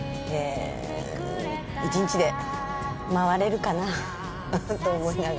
１日で回れるかなと思いながら。